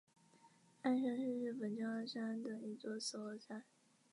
爱鹰山是日本静冈县的一座死火山。